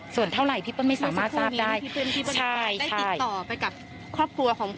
ส่วนเท่าไหร่พี่เปิ้ลไม่สามารถทราบได้ติดต่อไปกับครอบครัวของ